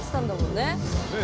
ねえ。